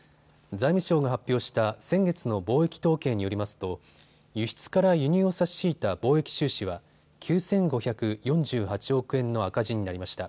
財務省が発表した先月の貿易統計によりますと輸出から輸入を差し引いた貿易収支は９５４８億円の赤字になりました。